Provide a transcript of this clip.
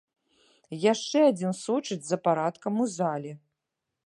Яшчэ адзін сочыць за парадкам у зале.